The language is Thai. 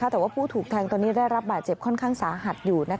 แต่ว่าผู้ถูกแทงตอนนี้ได้รับบาดเจ็บค่อนข้างสาหัสอยู่